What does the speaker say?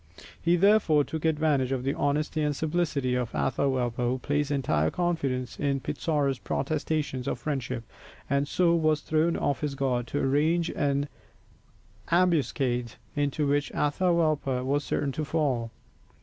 He therefore took advantage of the honesty and simplicity of Atahualpa, who placed entire confidence in Pizarro's protestations of friendship and so was thrown off his guard, to arrange an ambuscade into which Atahualpa was certain to fall.